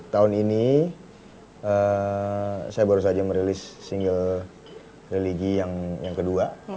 tahun ini saya baru saja merilis single religi yang kedua